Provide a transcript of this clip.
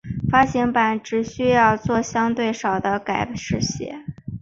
发行版只需要作相对少的修改。